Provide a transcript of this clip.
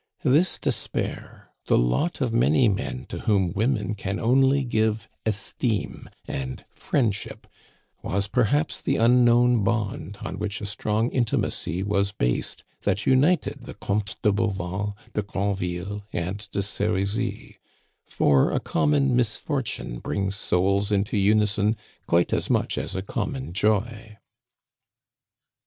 This despair, the lot of many men to whom women can only give esteem and friendship, was perhaps the unknown bond on which a strong intimacy was based that united the Comtes de Bauvan, de Granville, and de Serizy; for a common misfortune brings souls into unison quite as much as a common joy.